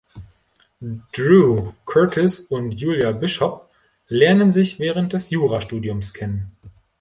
Drew Curtis und Julia Bishop lernen sich während des Jurastudiums kennen.